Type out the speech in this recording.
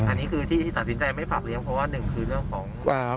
อันนี้คือที่ตัดสินใจไม่ฝากเลี้ยงเพราะว่าหนึ่งคือเรื่องของ